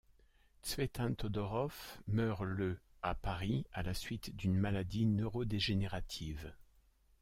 Tzvetan Todorov meurt le à Paris, à la suite d'une maladie neurodégénérative.